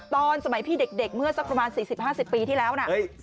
ตอนสมัยพี่เด็กเมื่อสักประมาณ๔๐๕๐ปีที่แล้วนะ